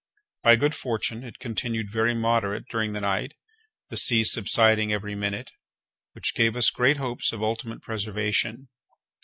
By good fortune it continued very moderate during the night, the sea subsiding every minute, which gave us great hopes of ultimate preservation.